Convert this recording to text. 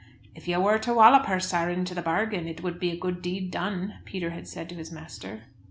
"If you war to wallop her, sir, into the bargain, it would be a good deed done," Peter had said to his master.